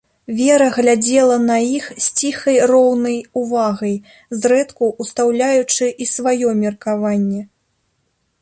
Вера глядзела на іх з ціхай роўнай увагай, зрэдку ўстаўляючы і сваё меркаванне.